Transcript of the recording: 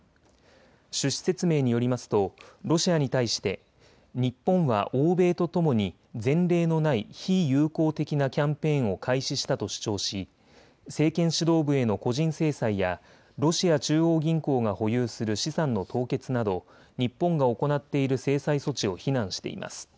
趣旨説明によりますとロシアに対して日本は欧米とともに前例のない非友好的なキャンペーンを開始したと主張し政権指導部への個人制裁やロシア中央銀行が保有する資産の凍結など日本が行っている制裁措置を非難しています。